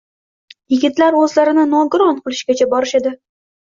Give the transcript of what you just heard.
Yigitlar oʻzlarini nogiron qilishgacha borishadi.